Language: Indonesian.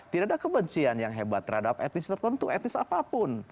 tidak ada kebencian yang hebat terhadap etnis tertentu etnis apapun